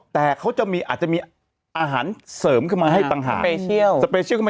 แต่เขาจะมีอาหารเสริมขึ้นมาให้ปัญหา